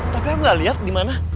tapi aku gak lihat dimana